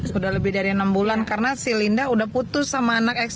sudah lebih dari enam bulan karena si linda udah putus sama anak x